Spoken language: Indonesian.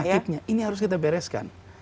motifnya ini harus kita bereskan